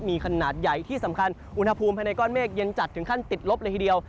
มีขนาดใหญ่ที่สำคัญอุณหภูมิภายในก้อนเมฆเย็นจัดถึงขั้นติดลบเลยทีเดียว